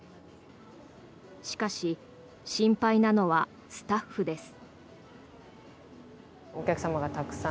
しかし心配なのはスタッフです。